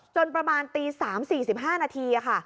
จนประมาณตี๓๔๕นาที